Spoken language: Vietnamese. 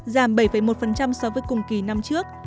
giảm bảy một so với cùng kỳ năm trước